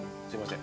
すいません。